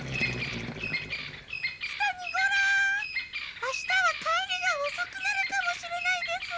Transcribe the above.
あしたはかえりがおそくなるかもしれないでスー。